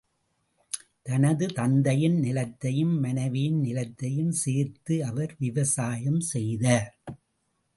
தனது தந்தையின் நிலத்தையும், மனைவியின் நிலத்தையும் சேர்த்து அவர் விவசாயம் செய்தார்.